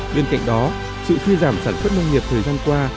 bên cạnh đó sự suy giảm sản xuất nông nghiệp thời gian qua